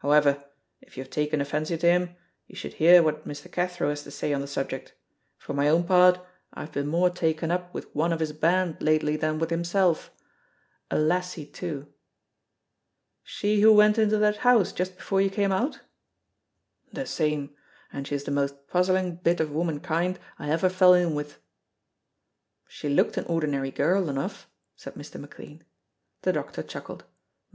However, if you have taken a fancy to him you should hear what Mr. Cathro has to say on the subject; for my own part I have been more taken up with one of his band lately than with himself a lassie, too." "She who went into that house just before you came out?" "The same, and she is the most puzzling bit of womankind I ever fell in with." "She looked an ordinary girl enough," said Mr. McLean. The doctor chuckled.